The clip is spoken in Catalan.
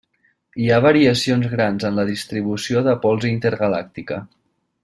Hi ha variacions grans en la distribució de pols intergalàctica.